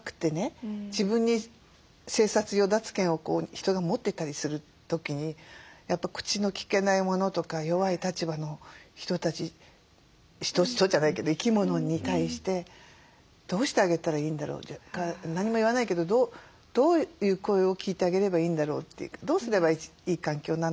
自分に生殺与奪権を人が持ってたりする時にやっぱ口のきけないものとか弱い立場の人たち人じゃないけど生き物に対してどうしてあげたらいいんだろうとか何も言わないけどどういう声を聞いてあげればいいんだろうというかどうすればいい環境なのかなって。